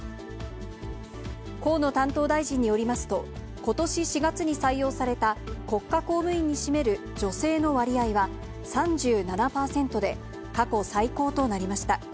河野担当大臣によりますと、ことし４月に採用された国家公務員に占める女性の割合は３７％で、過去最高となりました。